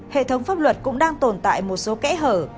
hệ thống pháp luật cũng đang tồn tại một số kẽ hở